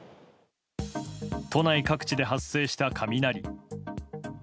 都内各地で発生した雷。